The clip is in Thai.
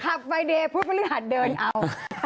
ขับไฟเดย์พูดไปเรื่องหันเดินเอ้า